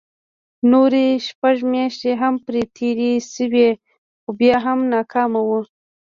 نورې شپږ مياشتې هم پرې تېرې شوې خو بيا هم ناکام وو.